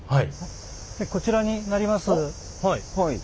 こちらになります。